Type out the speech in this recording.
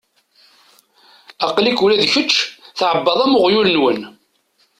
Aql-ak ula d kečč tɛebbaḍ am uɣyul-nwen.